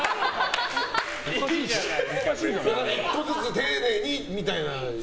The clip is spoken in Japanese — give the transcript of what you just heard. １個ずつ丁寧にみたいな。